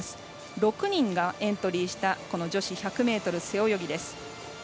６人がエントリーした女子１００ｍ背泳ぎです。